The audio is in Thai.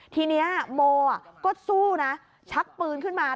ทีนี้โมก็สู้นะชักปืนขึ้นมา